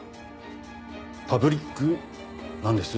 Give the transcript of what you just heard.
パブリックなんです？